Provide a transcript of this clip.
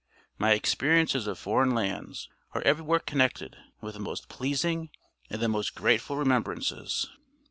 My experiences of foreign lands are everywhere connected with the most pleasing and the most grateful remembrances."